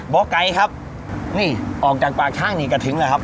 บอกไก่ครับนี่ออกจากปากข้างนี้กระถึงเลยครับ